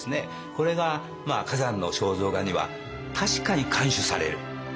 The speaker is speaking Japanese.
これが崋山の肖像画には確かに看取される。